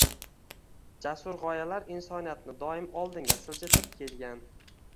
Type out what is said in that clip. Jasur g‘oyalar insoniyatni doim oldinga siljitib kelgan.